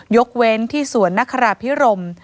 ยกเว้นที่สวนนคราพิรม